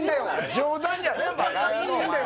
冗談じゃねえよ